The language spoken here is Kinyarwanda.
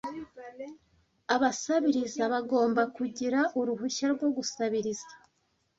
abasabiriza bagomba kugira uruhushya rwo gusabiriza